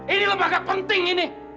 ini lembaga penting ini